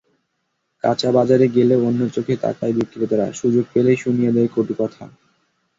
কাঁচাবাজারে গেলেও অন্য চোখে তাকায় বিক্রেতারা, সুযোগ পেলেই শুনিয়ে দেয় কটু কথা।